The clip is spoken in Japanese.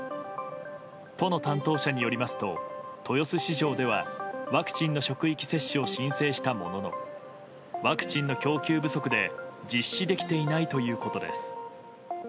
都の担当者によりますと豊洲市場ではワクチンの職域接種を申請したもののワクチンの供給不足で実施できていないということです。